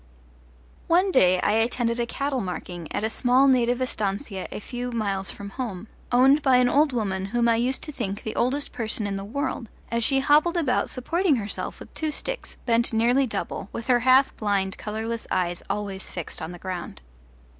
One day I attended a cattle marking at a small native estancia a few miles from home, owned by an old woman whom I used to think the oldest person in the world as she hobbled about supporting herself with two sticks, bent nearly double, with her half blind, colourless eyes always fixed on the ground.